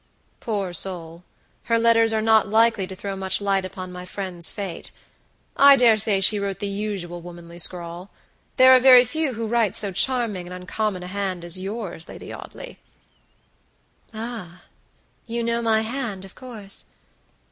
Poor soul! her letters are not likely to throw much light upon my friend's fate. I dare say she wrote the usual womanly scrawl. There are very few who write so charming and uncommon a hand as yours, Lady Audley." "Ah, you know my hand, of course."